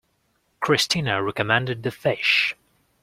Christina recommended the fish.